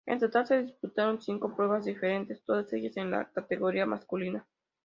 En total se disputaron cinco pruebas diferentes, todas ellas en la categoría masculina.